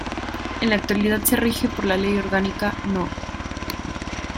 En la actualidad se rige por la Ley Orgánica No.